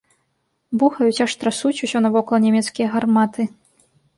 Бухаюць, аж трасуць усё навокал нямецкія гарматы.